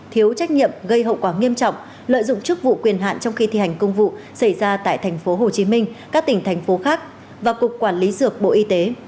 thiếu trách nhiệm gây hậu quả nghiêm trọng lợi dụng chức vụ quyền hạn trong khi thi hành công vụ xảy ra tại thành phố hồ chí minh các tỉnh thành phố khác và cục quản lý dược bộ y tế